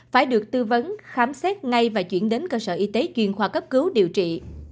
phải được tư vấn khám xét ngay và chuyển đến cơ sở y tế chuyên khoa cấp cứu điều trị